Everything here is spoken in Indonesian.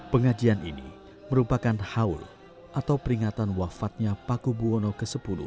pengajian ini merupakan haul atau peringatan wafatnya paku buwono x